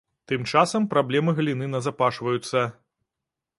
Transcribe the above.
Тым часам праблемы галіны назапашваюцца.